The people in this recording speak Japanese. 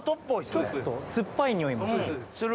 ちょっと酸っぱい匂いもする。